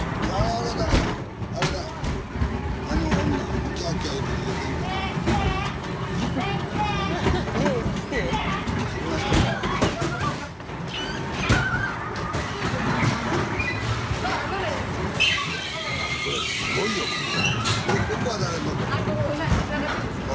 あっここつながってんですけど。